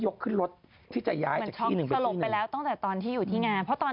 เหมือนช้องสลบไปแล้วตั้งแต่ตอนที่อยู่ที่งาน